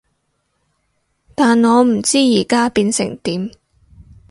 但我唔知而家變成點